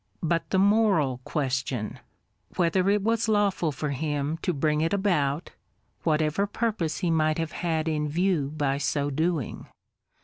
— but the moral question, — whether it was lawful for him to bring it about, whatever purpose he might have had in view by so doing.